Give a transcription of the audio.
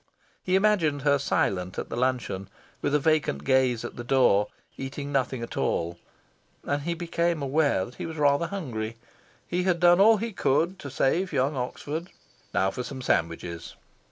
He imagined her silent at the luncheon, with a vacant gaze at the door, eating nothing at all. And he became aware that he was rather hungry. He had done all he could to save young Oxford. Now for some sandwiches!